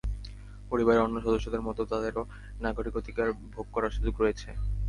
পরিবারের অন্য সদস্যদের মতো তাদেরও নাগরিক অধিকার ভোগ করার সুযোগ রয়েছে।